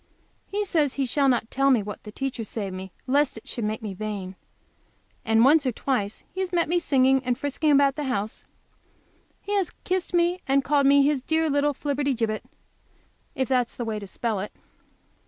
He says he shall not tell me what my teachers say of me lest it should make me vain. And once or twice when he has met me singing and frisking about the house he has kissed me and called me his dear little Flibbertigibbet, if that's the way to spell it.